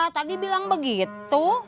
tadi bilang begitu